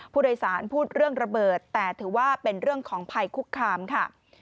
ผู้โดยสารพูดเรื่องระเบิดแต่ถือว่าเป็นเรื่องของภัยคุกคามค่ะ